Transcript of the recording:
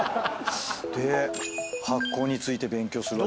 で発酵について勉強する。